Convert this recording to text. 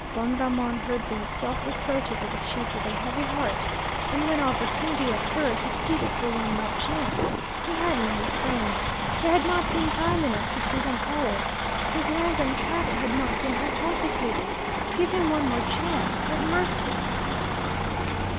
Don Ramon heard these self reproaches of the chief with a heavy heart, and when opportunity occurred, he pleaded for one more chance. He had many friends. There had not been time enough to see them all. His lands and cattle had not been hypothecated. Give him one more chance. Have mercy.